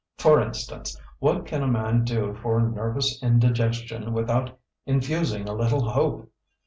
"For instance: what can a man do for nervous indigestion without infusing a little hope?